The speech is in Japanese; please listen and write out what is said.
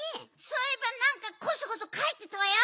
そういえばなんかコソコソかいてたわよ。